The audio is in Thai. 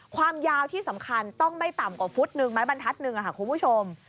ความยาวที่สำคัญต้องไม่ต่ำกว่าฟุตหนึ่งไม้บรรทัดหนึ่งค่ะคุณผู้ชม